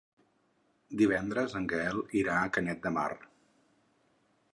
Divendres en Gaël irà a Canet de Mar.